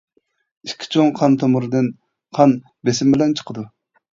ئىككى چوڭ قان تومۇردىن قان بېسىم بىلەن چىقىدۇ.